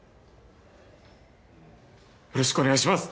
よろしくお願いします。